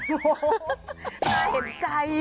โอ้โหได้เห็นใจ